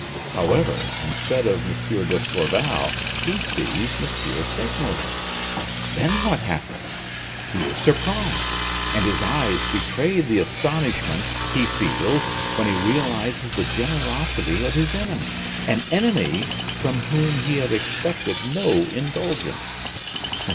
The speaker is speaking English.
However, instead of M. d'Escorval, he sees M. Segmuller. Then what happens? He is surprised, and his eyes betray the astonishment he feels when he realizes the generosity of his enemy an enemy from whom he had expected no indulgence.